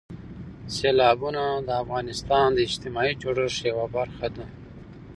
سیلابونه د افغانستان د اجتماعي جوړښت یوه برخه ده.